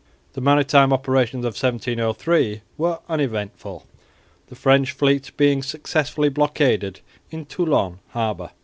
The maritime operations of 1703 were uneventful, the French fleet being successfully blockaded in Toulon harbour.